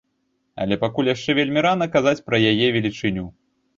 Але пакуль яшчэ вельмі рана казаць пра яе велічыню.